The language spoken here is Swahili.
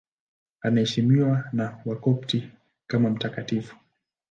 Anaheshimiwa na Wakopti kama mtakatifu.